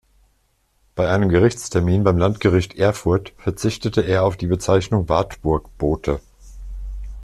Bei einem Gerichtstermin beim Landgericht Erfurt verzichtete er auf die Bezeichnung „Wartburg-Bote“.